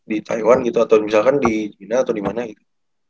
di taiwan gitu atau misalkan di china atau di mana gitu